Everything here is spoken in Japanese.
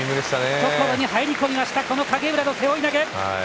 懐に入り込みました影浦の背負い投げ。